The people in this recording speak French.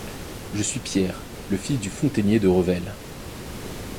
Je suis Pierre le fils du fontainier de Revel.